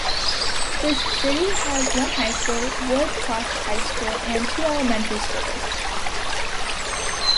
The city has one high school, Woods Cross High School, and two elementary schools.